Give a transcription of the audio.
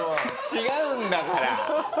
違うんだから！